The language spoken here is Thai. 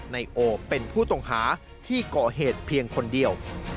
นายโอเป็นผู้ต้องหาที่ก่อเหตุเพียงคนเดียว